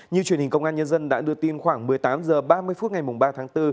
như truyền hình công an nhân dân đã đưa tin khoảng một mươi tám h ba mươi phút ngày ba tháng bốn